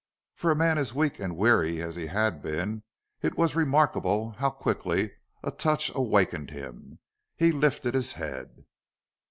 For a man as weak and weary as he had been, it was remarkable how quickly a touch awakened him. He lifted his head.